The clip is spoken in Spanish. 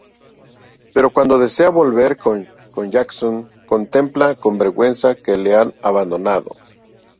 Pero cuando desea volver con Jasón, contempla con vergüenza que le han abandonado.